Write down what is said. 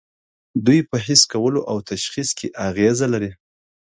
دوی په حس کولو او تشخیص کې اغیزه لري.